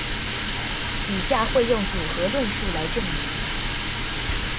以下会用组合论述来证明。